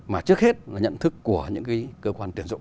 mà trước hết là nhận thức của những cái cơ quan tuyển dụng